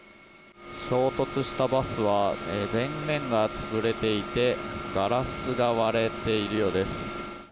衝突したバスは、前面が潰れていて、ガラスが割れているようです。